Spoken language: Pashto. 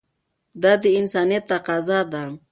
دا د انسانیت تقاضا ده.